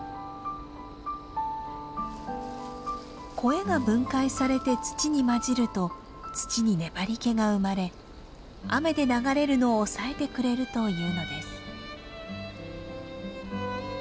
コエが分解されて土に混じると土に粘りけが生まれ雨で流れるのを抑えてくれるというのです。